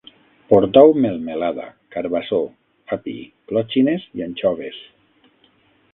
Portau melmelada, carbassó, api, clòtxines i anxoves